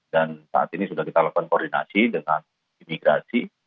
dan saat ini sudah kita lakukan koordinasi dengan imigrasi